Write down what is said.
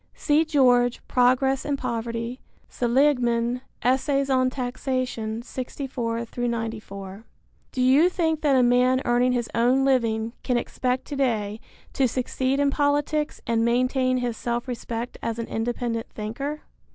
(See George, Progress and Poverty; Seligman, Essays on Taxation, 64 94.) Do you think that a man earning his own living can expect to day to succeed in politics and maintain his self respect as an independent thinker?